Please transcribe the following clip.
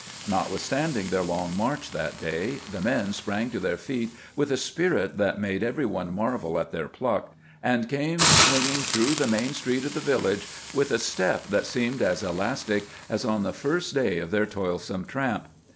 Notwithstanding their long march that day, the men sprang to their feet with a spirit that made every one marvel at their pluck, and came swing ing through the main street of the village with a step that seemed as elastic as on the first day of their toil some tramp.